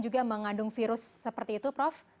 juga mengandung virus seperti itu prof